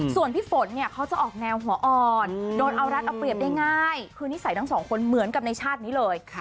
ส่วนพี่ฝนเนี่ยเขาจะออกแนวหัวอ่อนโดนเอารัดเอาเปรียบได้ง่ายคือนิสัยทั้งสองคนเหมือนกับในชาตินี้เลย